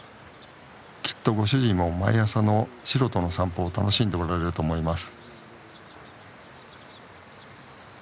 きっとご主人も毎朝のしろとの散歩を楽しんでおられると思います。